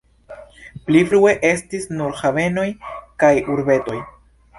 Pli frue estis nur havenoj kaj urbetoj.